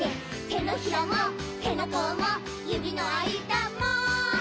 「手のひらも手の甲も指の間も」